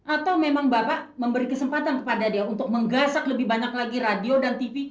atau memang bapak memberi kesempatan kepada dia untuk menggasak lebih banyak lagi radio dan tv